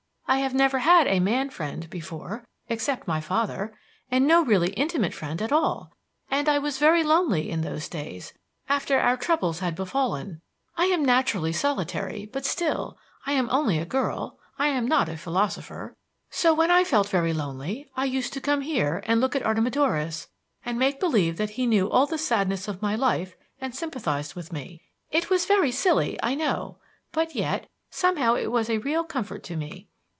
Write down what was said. I have never had a man friend before except my father and no really intimate friend at all. And I was very lonely in those days, after our troubles had befallen. I am naturally solitary, but still, I am only a girl; I am not a philosopher. So when I felt very lonely, I used to come here and look at Artemidorus and make believe that he knew all the sadness of my life and sympathized with me. It was very silly, I know, but yet, somehow it was a real comfort to me."